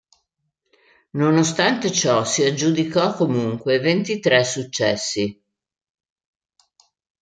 Nonostante ciò si aggiudicò comunque ventitré successi.